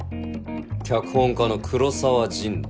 脚本家の黒澤仁だ。